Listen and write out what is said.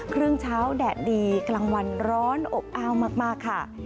ครึ่งเช้าแดดดีกลางวันร้อนอบอ้าวมากค่ะ